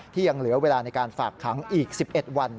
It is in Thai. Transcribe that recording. ยังเหลือเวลาในการฝากขังอีก๑๑วัน